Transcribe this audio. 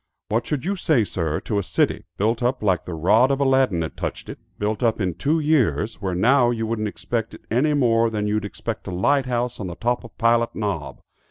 What should you say, sir, to a city, built up like the rod of Aladdin had touched it, built up in two years, where now you wouldn't expect it any more than you'd expect a light house on the top of Pilot Knob?